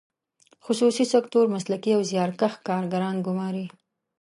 خصوصي سکتور مسلکي او زیارکښ کارګران ګماري.